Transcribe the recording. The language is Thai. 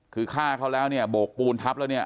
คือฆ่าเขาแล้วเนี่ยโบกปูนทับแล้วเนี่ย